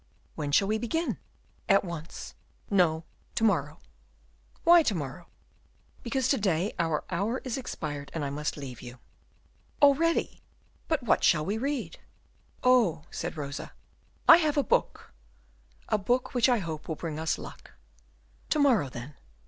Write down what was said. "When shall we begin?" "At once." "No, to morrow." "Why to morrow?" "Because to day our hour is expired, and I must leave you." "Already? But what shall we read?" "Oh," said Rosa, "I have a book, a book which I hope will bring us luck." "To morrow, then."